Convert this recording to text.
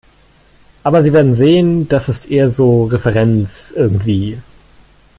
Aber Sie werden sehen, das ist eher so Referenz, irgendwie.